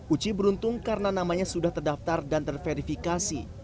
uci beruntung karena namanya sudah terdaftar dan terverifikasi